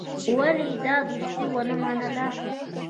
ولي يې دا دوستي ونه منله.